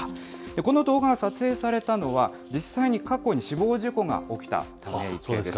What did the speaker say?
この動画が撮影されたのは、実際に過去に死亡事故が起きたため池です。